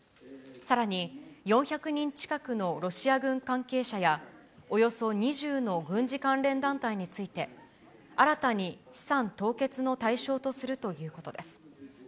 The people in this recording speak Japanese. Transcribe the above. さらに、４００人近くのロシア軍関係者や、およそ２０の軍事関連団体について、新たに資産凍結の対象とするということです。